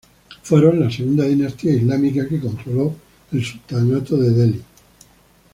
Fueron la segunda dinastía islámica que controló el sultanato de Delhi.